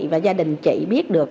và gia đình chị biết được